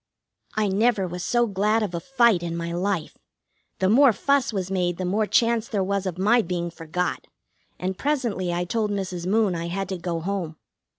I never was so glad of a fight in my life. The more fuss was made the more chance there was of my being forgot, and presently I told Mrs. Moon I had to go home.